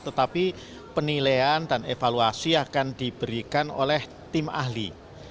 tetapi penilaian dan evaluasi akan diberikan oleh tim ahli